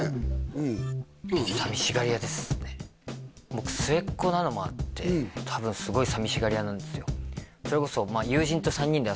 僕末っ子なのもあって多分すごい寂しがり屋なんですよ